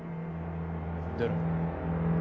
出ろ。